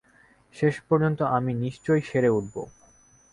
শেষ পর্যন্ত আমি নিশ্চয়ই সেরে উঠব।